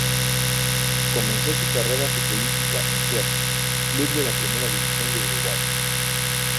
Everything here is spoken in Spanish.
Comenzó su carrera futbolística en Cerro, club de la Primera División de Uruguay.